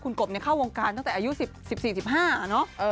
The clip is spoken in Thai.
คุณกบเข้าวงการตั้งแต่อายุ๑๔๑๕เนอะ